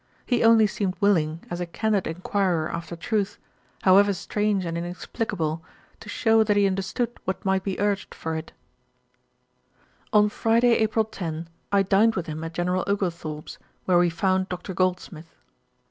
He only seemed willing, as a candid enquirer after truth, however strange and inexplicable, to shew that he understood what might be urged for it. On Friday, April 10, I dined with him at General Oglethorpe's, where we found Dr. Goldsmith.